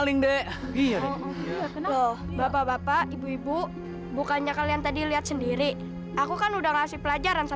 loh bapak bapak ibu ibu bukannya kalian tadi lihat sendiri aku kan udah ngasih pelajaran